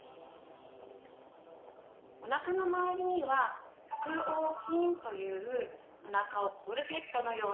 おなかの周りには腹横筋というおなかをコルセットのように